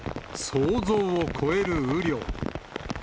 想像を超える雨量。